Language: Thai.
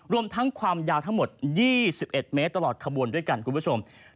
รวมทั้งความยาวทั้งหมด๒๑เมตรตลอดขบวนด้วยกันคุณผู้ชม